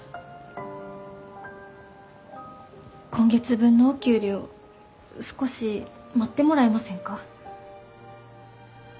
今月分のお給料少し待ってもらえませんか？